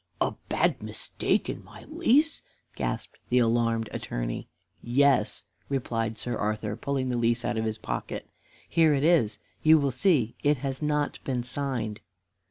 "A bad mistake in my lease!" gasped the alarmed Attorney. "Yes," replied Sir Arthur, pulling the lease out of his pocket. "Here it is. You will see it has not been signed."